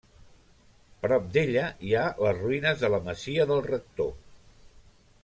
Prop d'ella hi ha les ruïnes de la Masia del Rector.